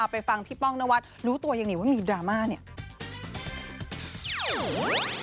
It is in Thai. เอาไปฟังพี่ป้องนวัลรู้ตัวอย่างไรว่ามีดรามานี่